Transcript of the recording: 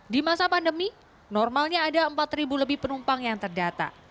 di masa pandemi normalnya ada empat lebih penumpang yang terdata